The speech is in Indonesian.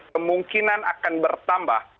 kemungkinan akan bertambah